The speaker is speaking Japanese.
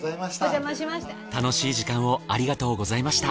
楽しい時間をありがとうございました。